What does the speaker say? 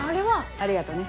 ありがとね。